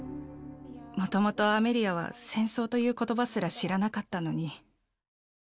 もともとアメリアは戦争ということばすら知らなかったのに。